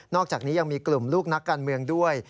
อกจากนี้ยังมีกลุ่มลูกนักการเมืองด้วย